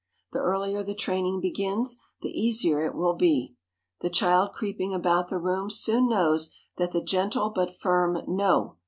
The earlier the training begins, the easier it will be. The child creeping about the room soon knows that the gentle but firm "No!"